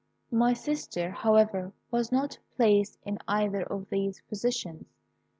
My sister, however, was not placed in either of these positions.